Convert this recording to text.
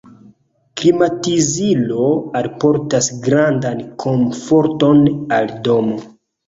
Klimatizilo alportas grandan komforton al domo.